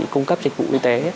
cung cấp dịch vụ y tế